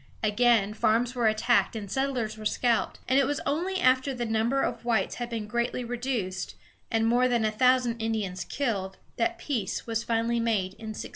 Again farms were attacked and settlers were scalped, and it was only after the number of whites had been greatly reduced, and more than a thousand Indians killed, that peace was finally made, in 1645.